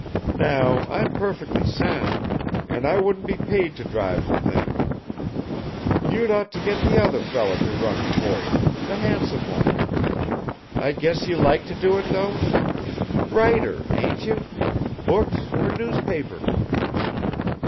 Now, I'm perfectly sound, and I wouldn't be paid to drive the thing. You'd ought to get the other fellow to run it for you; the handsome one. I guess you like to do it, though? Writer, ain't you? Books or newspapers?"